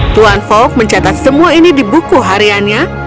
tuan fok mencatat semua ini di buku hariannya